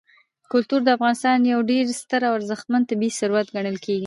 کلتور د افغانستان یو ډېر ستر او ارزښتمن طبعي ثروت ګڼل کېږي.